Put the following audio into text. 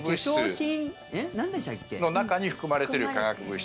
その中に含まれている化学物質。